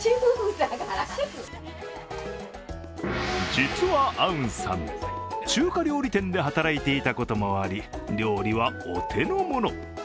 実はアウンさん、中華料理店で働いていたこともあり、料理はお手のもの。